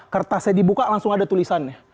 kertasnya dibuka langsung ada tulisannya